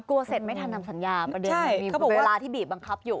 กลัวเสร็จไม่ทำสัญญาประเด็นมีเวลาที่บีบบังคับอยู่